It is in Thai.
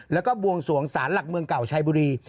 แล้วก็บวงสวงสารหลักเมืองเก่าชายบุรี